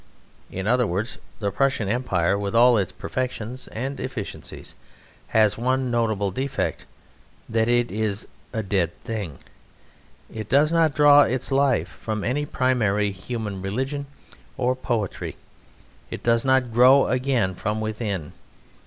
In other words, the Prussian Empire, with all its perfections and efficiencies, has one notable defect that it is a dead thing. It does not draw its life from any primary human religion or poetry; it does not grow again from within.